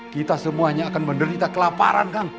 kita semuanya akan menderita kelaparan kan